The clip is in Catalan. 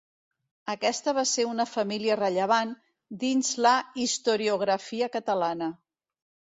Aquesta va ser una família rellevant dins la historiografia catalana.